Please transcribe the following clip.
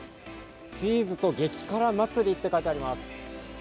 チーズと激辛祭りと書いてあります。